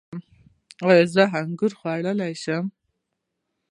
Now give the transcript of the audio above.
ایا زه انګور خوړلی شم؟